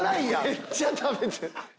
めっちゃ食べてる！